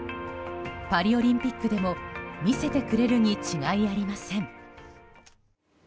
パリオリンピックでも見せてくれるに違いありません。